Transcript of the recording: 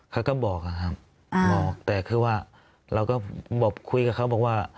เขาก็บอกอะครับบอกแต่คือว่าเราก็บอกคุยกับเขาบอกว่า